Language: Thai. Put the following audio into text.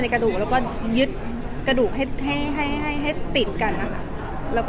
กระดูกแล้วก็ยึดกระดูกให้ให้ติดกันนะคะแล้วก็